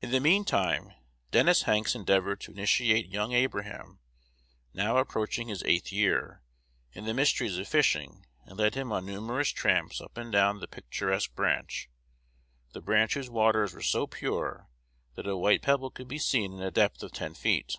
In the mean time, Dennis Hanks endeavored to initiate young Abraham, now approaching his eighth year, in the mysteries of fishing, and led him on numerous tramps up and down the picturesque branch, the branch whose waters were so pure that a white pebble could be seen in a depth of ten feet.